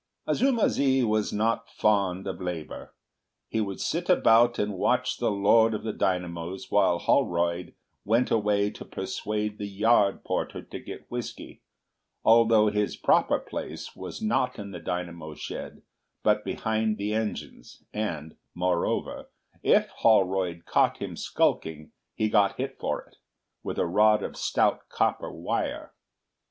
Azuma zi was not fond of labour. He would sit about and watch the Lord of the Dynamos while Holroyd went away to persuade the yard porter to get whisky, although his proper place was not in the dynamo shed but behind the engines, and, moreover, if Holroyd caught him skulking he got hit for it with a rod of stout copper wire.